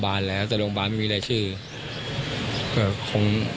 ครับเพราะยังไม่เจอใครเลย๒๓คน